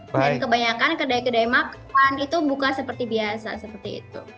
dan kebanyakan kedai kedai makan itu buka seperti biasa seperti itu